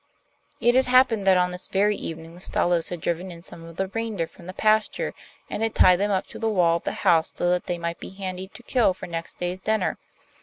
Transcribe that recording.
It had happened that on this very evening the Stalos had driven in some of the reindeer from the pasture, and had tied them up to the wall of the house so that they might be handy to kill for next day's dinner.